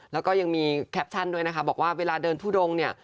แล้วก็ยังมีแคปชั่นด้วยนะคะบอกว่าเวลาเดินทุดงเนี่ย